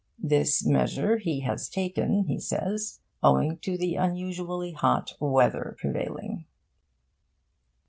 This measure he has taken, he says, owing to the unusually hot weather prevailing.